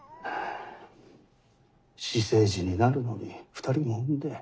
私生児になるのに２人も産んで。